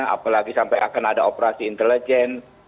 apalagi sampai akan ada operasi intelijen